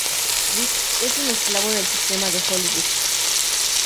Rick es un esclavo del sistema de Hollywood.